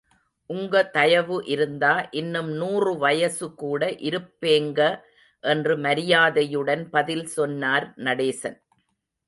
உங்க தயவு இருந்தா, இன்னும் நூறுவயசு கூட இருப்பேங்க என்று மரியாதையுடன் பதில் சொன்னார் நடேசன்.